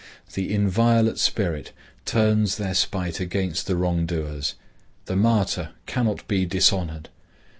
The inviolate spirit turns their spite against the wrongdoers. The martyr cannot be dishonored.